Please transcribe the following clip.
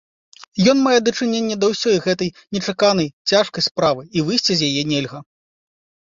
Ён мае дачыненне да ўсёй гэтай нечаканай, цяжкай справы, і выйсці з яе нельга.